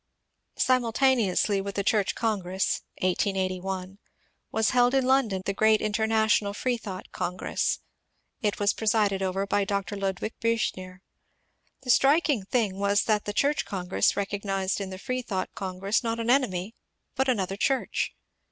Simultaneously with the Church Congress (1881) was held in London the great International Freethought Congress. It was presided over by Dr. Ludwig Biichner. The striking thing was that the Church Congress recognized in the Free thought Congress not an enemy but another Church.